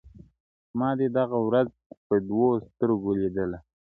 • ما دي دغه ورځ په دوو سترګو لیدله -